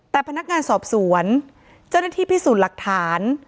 แต่พนักงานสอบสวนเจ้าหน้าที่พิสูจน์หลักฐาน